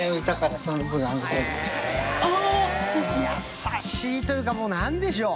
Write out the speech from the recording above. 優しいというかもう何でしょう？